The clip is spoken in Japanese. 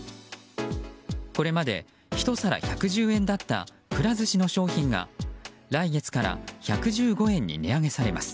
これまで１皿１１０円だったくら寿司の商品が来月から１１５円に値上げされます。